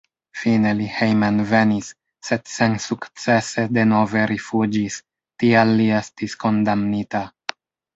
Fine li hejmenvenis, sed sensukcese denove rifuĝis, tial li estis kondamnita.